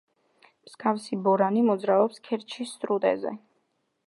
მსგავსი ბორანი მოძრაობს ქერჩის სრუტეზე.